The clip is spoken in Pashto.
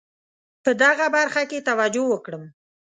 په دغه برخه کې توجه وکړم.